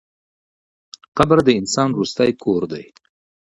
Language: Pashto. قبر د انسان وروستی کور دی.